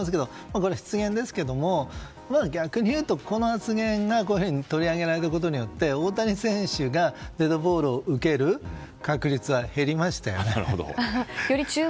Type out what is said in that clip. これは失言ですけど逆に言うと、この発言がこういうふうに取り扱われることで大谷選手がデッドボールを受ける確率は減りましたよね。